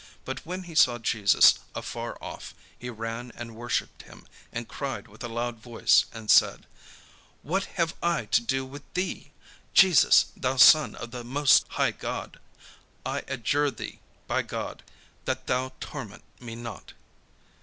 But when he saw Jesus afar off, he ran and worshipped him, and cried with a loud voice, and said: "What have I to do with thee, Jesus, thou Son of the most high God? I adjure thee by God, that thou torment me not."